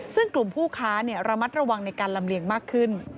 ซึ่งกลุ่มผู้ค้าระมัดระวังในการลำเลียงมากขึ้น